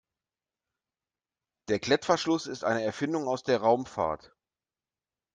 Der Klettverschluss ist eine Erfindung aus der Raumfahrt.